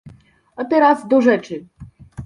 A teraz do rzeczy